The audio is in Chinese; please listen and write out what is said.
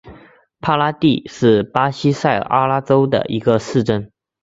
帕科蒂是巴西塞阿拉州的一个市镇。